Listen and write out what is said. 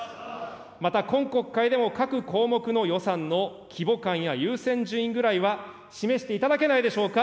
また、今国会でも各項目の予算の規模感や優先順位ぐらいは示していただけないでしょうか。